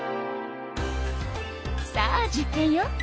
さあ実験よ。